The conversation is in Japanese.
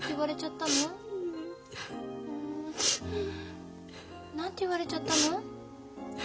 ううん。何て言われちゃったの？